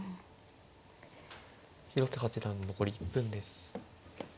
広瀬八段残り１分です。